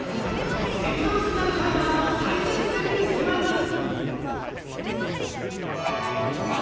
セルロースナノファイバーの最前線に迫ります！